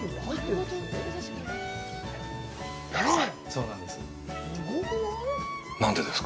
そうなんです。